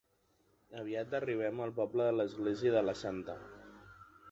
Aviat arribem al poble de l'església de la Santa.